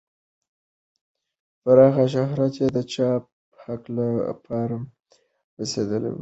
پراخ شهرت یې د چاپ حق له پای ته رسېدو وروسته راغی.